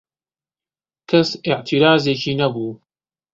کەس ئێعترازێکی نەبوو